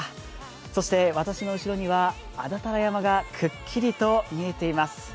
そして私の後ろには安達太良山がくっきりと見えています。